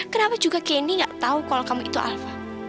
kenapa juga kenny gak tau kalau kamu itu alva